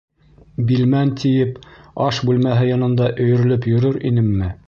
Билмән тиеп аш бүлмәһе янында өйөрөлөп йөрөр инемме?